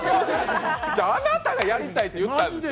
あなたがやりたいって言ったんですよ。